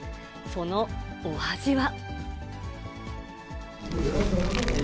そのお味は。